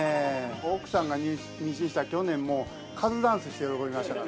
奥さんが妊娠した去年もカズダンスして喜びましたから。